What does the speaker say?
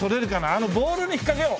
あのボールに引っかけよう。